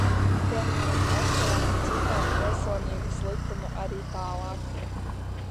Piemēram, es varētu citēt Pilsonības likumu arī tālāk.